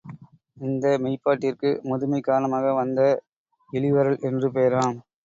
இந்த மெய்ப்பாட்டிற்கு, முதுமை காரணமாக வந்த இளிவரல் என்று பெயராம்.